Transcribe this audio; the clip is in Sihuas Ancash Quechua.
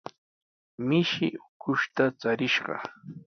Mishi ukushta charishqa.